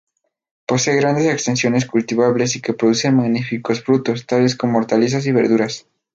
Posee grandes extensiones cultivables y que producen magníficos frutos, tales como hortalizas y verduras.